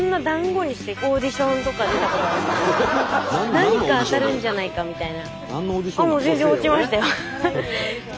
何か当たるんじゃないかみたいな。